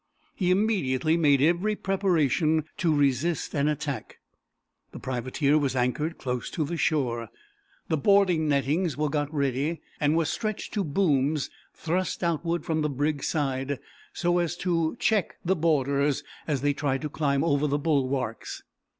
He immediately made every preparation to resist an attack, The privateer was anchored close to the shore. The boarding nettings were got ready, and were stretched to booms thrust outward from the brig's side, so as to check the boarders as they tried to climb over the bulwarks.